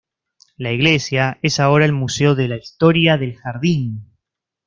La iglesia, es ahora el Museo de la Historia del Jardín.